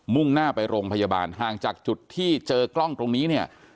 ่งหน้าไปโรงพยาบาลห่างจากจุดที่เจอกล้องตรงนี้เนี่ย